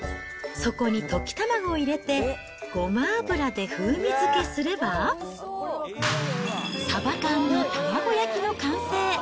そこに溶き卵を入れて、ごま油で風味づけすれば、サバ缶の卵焼きの完成。